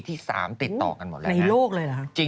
ที่๓ติดต่อกันหมดแล้วในโลกเลยเหรอฮะ